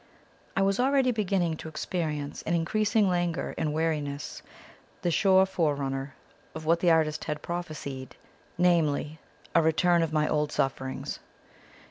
I was already beginning to experience an increasing languor and weariness, the sure forerunner of what the artist had prophesied namely, a return of all my old sufferings.